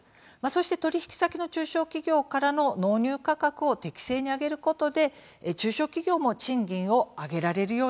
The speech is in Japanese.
そして取引先の中小企業からの納入価格を適正に上げることで中小企業も賃金を上げられるようにする。